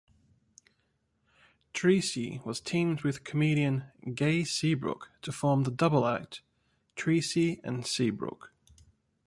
Treacy was teamed with comedian Gay Seabrook to form the double-act Treacy and Seabrook.